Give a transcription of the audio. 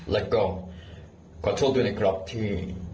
แล้วก็ขอโทษด้วยนะครับที่